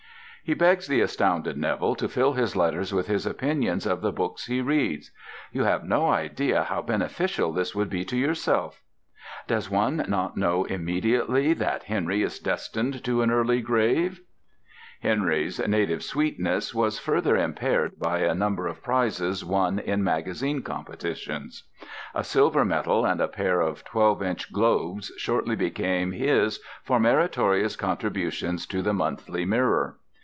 He begs the astounded Neville to fill his letters with his opinions of the books he reads. "You have no idea how beneficial this would be to yourself." Does one not know immediately that Henry is destined to an early grave? Henry's native sweetness was further impaired by a number of prizes won in magazine competitions. A silver medal and a pair of twelve inch globes shortly became his for meritorious contributions to the Monthly Mirror.